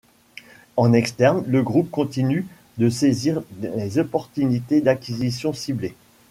En externe, le groupe continue de saisir les opportunités d'acquisition ciblées.